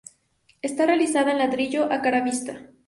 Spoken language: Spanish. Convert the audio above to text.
Está realizada en ladrillo a cara vista.